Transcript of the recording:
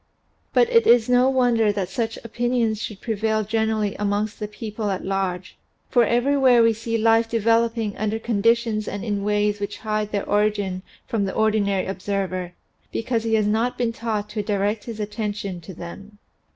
But it is no wonder that such opinions should prevail generally amongst the people at large, for everywhere we see life developing under conditions and in ways which hide their origin from the ordinary observer because he has not been taught to direct his attention to them.